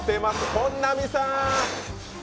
本並さーん！